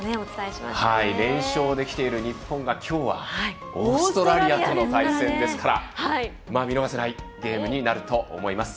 連勝できている日本がきょうはオーストラリアとの対戦ですから、見逃せないゲームになると思います。